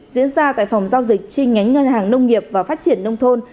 diễn ra tại phòng giao dịch chi nhánh ngân hàng nông nghiệp và phát triển nông thôn